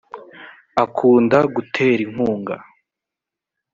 akunda guterinkunga.